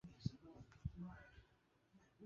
曾祖父刘震乡。